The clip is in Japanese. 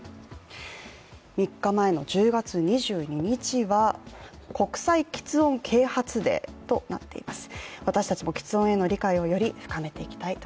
３日前の１０月２２日は国際きつ音啓発デーとなっています。